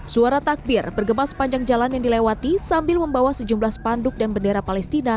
suara takbir bergemas sepanjang jalan yang dilewati sambil membawa sejumlah spanduk dan bendera palestina